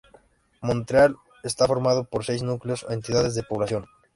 Montreal está formado por seis núcleos o entidades de población.